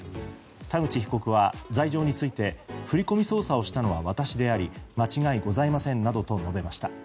田口被告は罪状について振込操作をしたのは私であり間違いございませんなどと述べました。